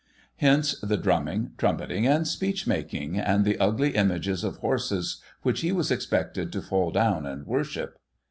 Hence the drumming, trumpeting, and speech making, and the ugly images of horses which he was expected to fall down and worship.